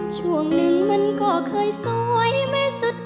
ชอบเล่นของสวยมาก